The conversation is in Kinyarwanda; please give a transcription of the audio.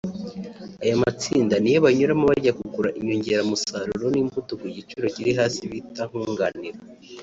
Ayo matsinda ni yo banyuramo bajya kugura inyongeramusaruro n’imbuto ku giciro kiri hasi bita “Nkunganire”